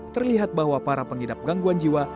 terlihat bahwa para pengidap gangguan jiwa